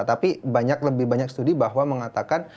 tapi lebih banyak studi bahwa mengatakan